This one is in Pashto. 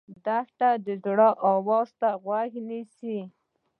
دښته د زړه آواز ته غوږ نیسي.